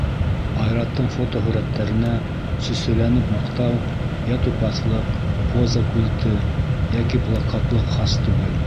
Айраттың фотоһүрәттәренә сөсөләнеп маҡтау йә тупаҫлыҡ, поза культы йәки плакатлыҡ хас түгел.